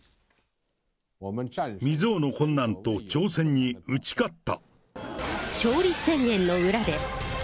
未曽有の困難と挑戦に打ち勝った。